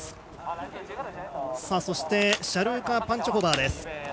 そしてシャールカ・パンチョホバーです。